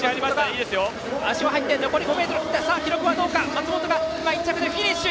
松元が１着でフィニッシュ！